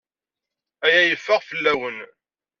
Aya yeffeɣ fell-awen.